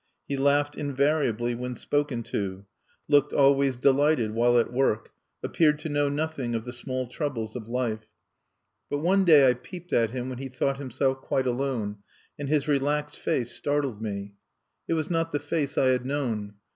He laughed invariably when spoken to, looked always delighted while at work, appeared to know nothing of the small troubles of life. But one day I peeped at him when he thought himself quite alone, and his relaxed face startled me. It was not the face I had known.